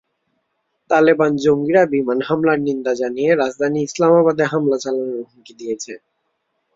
তালেবান জঙ্গিরা বিমান হামলার নিন্দা জানিয়ে রাজধানী ইসলামাবাদে হামলা চালানোর হুমকি দিয়েছে।